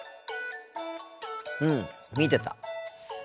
うん見てた。